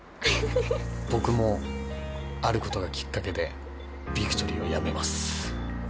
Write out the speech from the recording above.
僕もあることがきっかけでビクトリーを辞めます